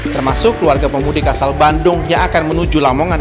termasuk keluarga pemudik asal bandung yang akan menuju lamongan